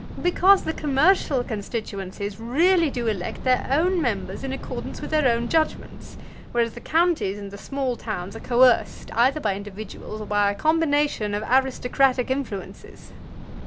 "Because the commercial constituencies really do elect their own members in accordance with their own judgments, whereas the counties and the small towns are coerced either by individuals or by a combination of aristocratic influences."